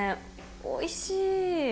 おいしい。